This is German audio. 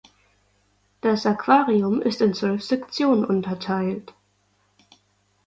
Das Aquarium ist in zwölf Sektionen unterteilt.